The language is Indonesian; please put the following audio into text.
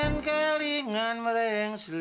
yen kelingan mereng seliramu